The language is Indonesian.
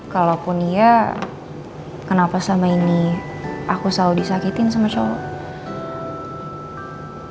kalaupun iya kenapa sama ini aku selalu disakitin sama cowok